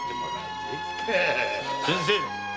先生。